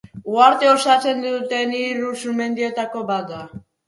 Uhartea osatzen duten hiru sumendietako bat da.